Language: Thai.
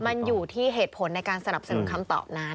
มันอยู่ที่เหตุผลในการสนับสนุนคำตอบนั้น